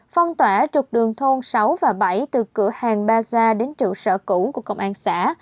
phong tỏa trục đường thôn sáu và bảy từ cửa hàng ba gia đến trụ sở cũ của công an xã